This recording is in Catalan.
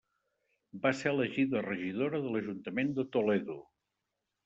Va ser elegida regidora de l'Ajuntament de Toledo.